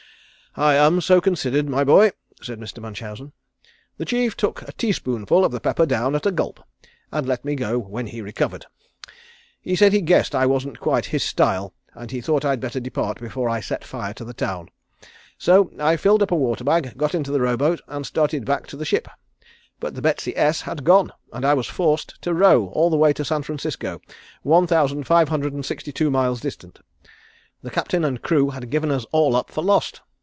"I am so considered, my boy," said Mr. Munchausen. "The chief took a teaspoonful of the pepper down at a gulp, and let me go when he recovered. He said he guessed I wasn't quite his style, and he thought I'd better depart before I set fire to the town. So I filled up the water bag, got into the row boat, and started back to the ship, but the Betsy S. had gone and I was forced to row all the way to San Francisco, one thousand, five hundred and sixty two miles distant. The captain and crew had given us all up for lost.